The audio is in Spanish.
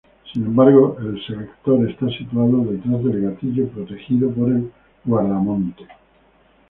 Sin embargo, el selector está situado detrás del gatillo, protegido por el guardamonte.